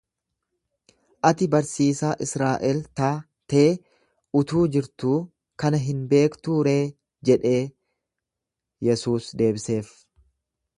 Ati barsiisaa Israa'el ta'tee utuu jirtuu kana hin beektuuree jedhee Yesuus deebiseef.